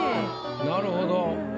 なるほど。